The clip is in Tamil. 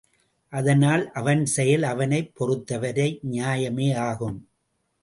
அதனால் அவன் செயல் அவனைப் பொறுத்தவரை நியாயமே ஆகும்.